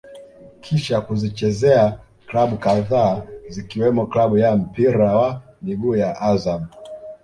Kisha kuzichezea klabu kadhaa zikiwemo klabu ya mpira wa miguu ya Azam